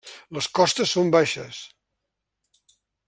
Les costes són baixes.